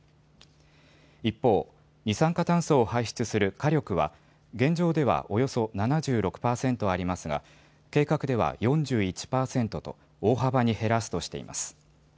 一方、二酸化炭素を排出する火力は現状ではおよそ７６％ありますが計画では４１％と大幅に減らすとしています。